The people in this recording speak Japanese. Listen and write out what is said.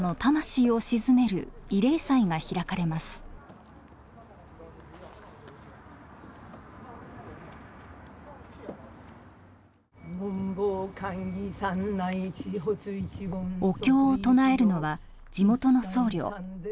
お経を唱えるのは地元の僧侶馬島浄圭さん。